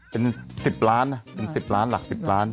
เป็น๑๐ล้านนะเป็น๑๐ล้านหลัก๑๐ล้าน